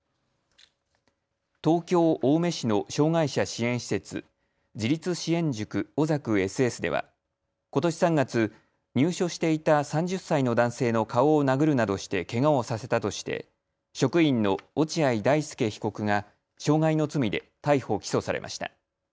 東京青梅市の障害者支援施設自立支援塾おざくＳＳではことし３月、入所していた３０歳の男性の顔を殴るなどしてけがをさせたとして職員の落合大丞被告が傷害の罪で逮捕・起訴されました。